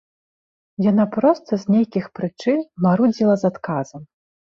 Яна проста з нейкіх прычын марудзіла з адказам.